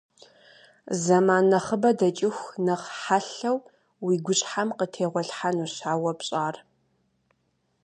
Зэман нэхъыбэ дэкӀыху нэхъ хьэлъэу уи гущхьэм къытегъуэлъхьэнущ а уэ пщӀар.